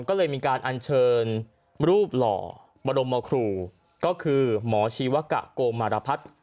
ก็เลยมีการอัญเชิญรูปหล่อบรมครูก็คือหมอชีวกะโกมารพัฒน์